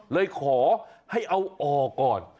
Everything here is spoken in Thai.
เลยขอให้เอาออกก่อน